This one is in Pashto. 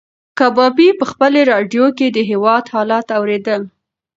کبابي په خپلې راډیو کې د هېواد حالات اورېدل.